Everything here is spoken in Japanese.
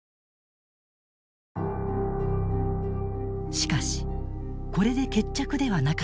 しかしこれで決着ではなかった。